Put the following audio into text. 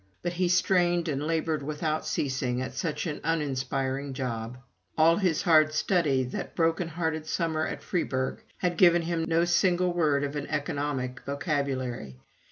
But he strained and labored without ceasing at such an uninspiring job. All his hard study that broken hearted summer at Freiburg had given him no single word of an economic vocabulary.